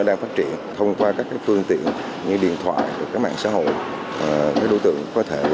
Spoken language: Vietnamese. đang phát triển thông qua các phương tiện như điện thoại mạng xã hội các đối tượng có thể